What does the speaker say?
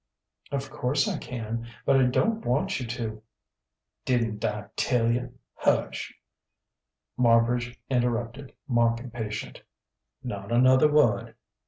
"Of course I can, but I don't want you to " "Didn't I tell you, hush!" Marbridge interrupted, mock impatient. "Not another word.